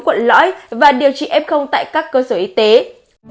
hà nội vẫn kiên trì áp dụng giải pháp chống dịch giai đoạn trước là các ly tập trung f một